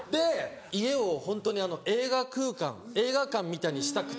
家をホントに映画空間映画館みたいにしたくて。